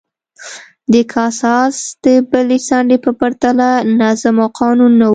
د کاساس د بلې څنډې په پرتله نظم او قانون نه و